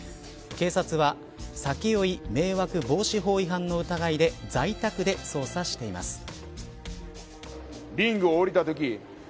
警察は酒酔迷惑防止法違反の疑いで在宅で捜査しています。